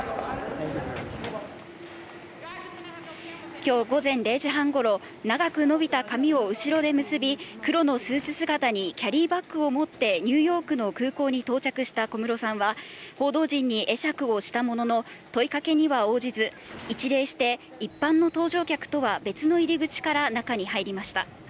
今日午前０時半頃、長く伸びた髪を後ろで結び、黒のスーツ姿にキャリーバッグを持ってニューヨークの空港に到着した小室さんは報道陣に会釈をしたものの問いかけには応じず一礼して一般の搭乗客とは別の入口から中に入りました。